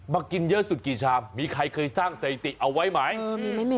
กินเยอะสุดกี่ชามมีใครเคยสร้างสถิติเอาไว้ไหม